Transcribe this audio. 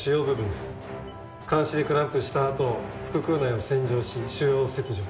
鉗子でクランプしたあと腹腔内を洗浄し腫瘍を切除。